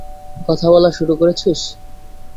কথা বলা শুরু করেছিস?